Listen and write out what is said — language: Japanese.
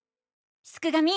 すくがミ！